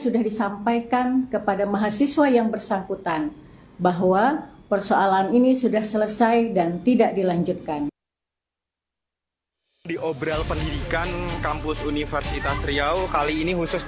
disampaikan kepada mahasiswa yang bersangkutan bahwa persoalan ini sudah selesai dan tidak dilanjutkan